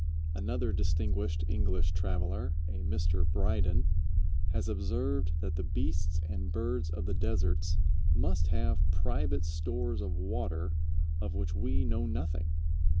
Another distinguished English traveler, a Mr. Bryden, has observed that the beasts and birds of the deserts must have private stores of water of which we know nothing.